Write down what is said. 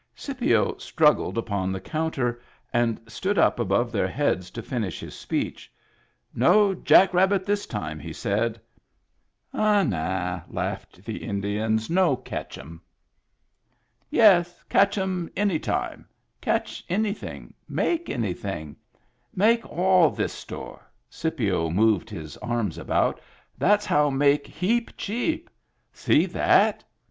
Scipio struggled upon the counter, and stood up above their heads to finish his speech. " No jack rabbit this time," he said. " Ah, nah I " laughed the Indians " No catch um." Digitized by Google HAPPY TEETH 63 "Yes, catch um any time. Catch anything. Make anything. Make all this store" — Scipio moved his arms about —" that's how make heap cheap. See that!"